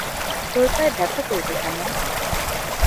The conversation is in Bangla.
তোর পায়ে ব্যথা করবে কেন?